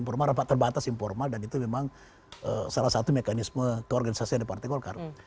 rapat terbatas informal dan itu memang salah satu mekanisme keorganisasinya dpr kolkar